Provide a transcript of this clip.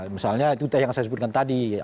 misalnya itu yang saya sebutkan tadi